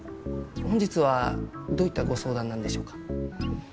本日はどういったご相談なんでしょうか？